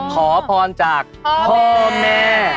ขอพรจากพ่อแม่